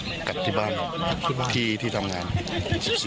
ไม่กัดที่บ้านที่ที่ทำงาน๑๔วัน